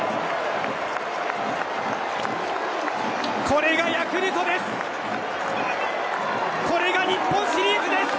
これがヤクルトです！